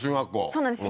そうなんです